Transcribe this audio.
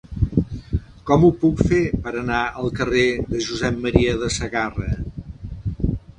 Com ho puc fer per anar al carrer de Josep M. de Sagarra?